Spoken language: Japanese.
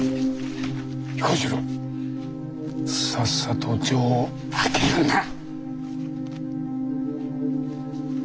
彦四郎さっさと錠を開けるんだ！